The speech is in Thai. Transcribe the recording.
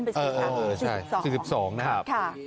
เป็น๔๒นะครับ